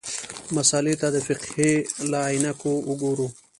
مسألې ته د فقهې له عینکو وګورو.